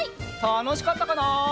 たのしかったかな？